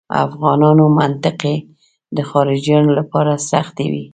افغانانو منطقې د خارجیانو لپاره سختې وې.